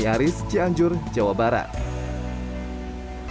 harus tetap berkembang sebagai mungkin